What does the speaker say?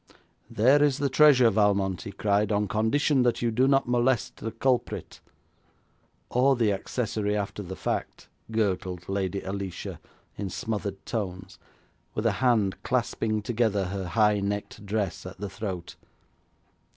'There is the treasure, Valmont,' he cried, 'on condition that you do not molest the culprit.' 'Or the accessory after the fact,' gurgled Lady Alicia in smothered tones, with a hand clasping together her high necked dress at the throat.